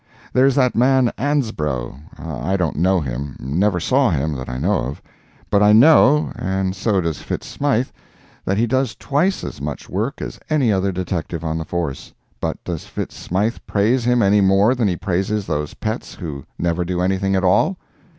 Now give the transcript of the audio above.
There is that man Ansbro—I don't know him—never saw him, that I know of—but I know, and so does Fitz Smythe, that he does twice as much work as any other detective on the force—but does Fitz Smythe praise him any more than he praises those pets who never do anything at all?